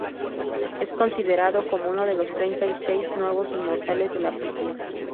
Es considerado como uno de los treinta y seis nuevos inmortales de la poesía.